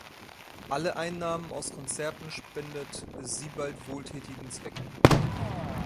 Alle Einnahmen aus Konzerten spendet Siebald wohltätigen Zwecken.